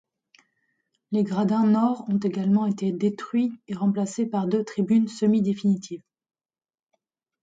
Les gradins nord ont également été détruits et remplacés par deux tribunes semi-définitives.